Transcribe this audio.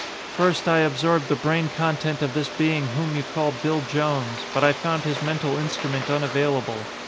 "First I absorbed the brain content of this being whom you call Bill Jones, but I found his mental instrument unavailable.